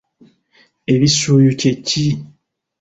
Ebisuyu kye ki?